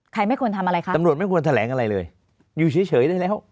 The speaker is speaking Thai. ไม่ควรทำอะไรคะตำรวจไม่ควรแถลงอะไรเลยอยู่เฉยได้แล้ว